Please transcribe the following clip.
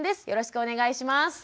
よろしくお願いします。